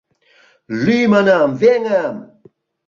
— Лӱй, манам, веҥым!